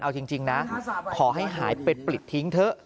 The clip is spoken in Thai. เอาจริงนะขอให้หายไปปลิดทิ้งเถอะ